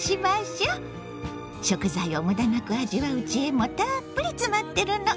食材を無駄なく味わう知恵もたっぷり詰まってるの。